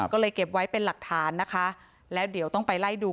ก็เลยเก็บไว้เป็นหลักฐานนะคะแล้วเดี๋ยวต้องไปไล่ดู